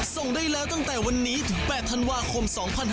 ส่งได้แล้วตั้งแต่วันนี้ถึง๘ธันวาคม๒๕๖๒